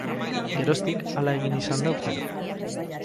Geroztik, hala egin izan da urtero.